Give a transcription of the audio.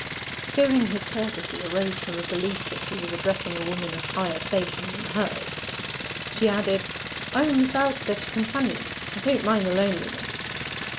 Fearing his courtesy arose from a belief that he was addressing a woman of higher station than was hers, she added, 'I am Miss Aldclyffe's companion. I don't mind the loneliness.